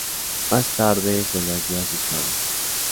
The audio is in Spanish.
Más tarde se las dio a sus padres.